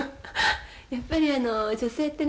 やっぱりあの女性ってね